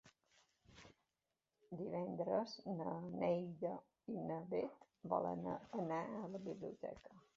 Divendres na Neida i na Bet volen anar a la biblioteca.